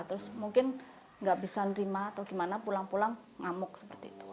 terus mungkin nggak bisa nerima atau gimana pulang pulang ngamuk seperti itu